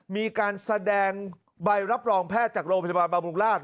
มีการแสดงใบรับรองแพทย์จากโรงพยาบาลบำรุงราช